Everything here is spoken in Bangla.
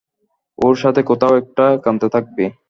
ওর সাথে কোথাও একটা একান্তে থাকবি।